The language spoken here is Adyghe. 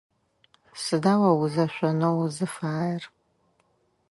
Сыда о узэшъонэу узыфаер?